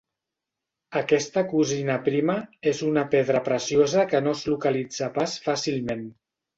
Aquesta "cosina prima" és una pedra preciosa que no es localitza pas fàcilment.